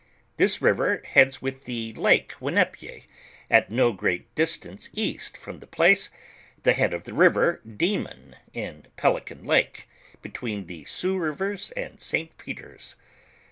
This river heads with the waters of 1 iko Winnepio, at no great distance east from the place, the head of the river Demon in Pelicin lake, be tween the Sio .ix rivers and St. Peters.